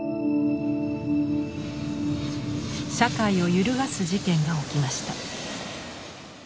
社会を揺るがす事件が起きました。